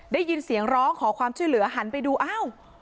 ได้ยินเสียงร้องขอความช่วยเหลือหันไปดูอ้าว